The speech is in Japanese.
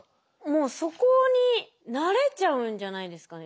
もうそこに慣れちゃうんじゃないですかね。